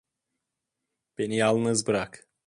Beni yalnız bırak!